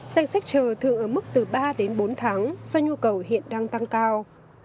danh sách chờ thường ở mức từ ba đến bốn tháng do nhu cầu hiện đang tăng cao